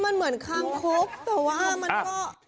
มันเหมือนคางคกแต่ว่ามันก็